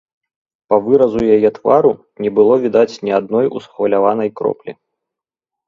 Па выразу яе твару не было відаць ні адной усхваляванай кроплі.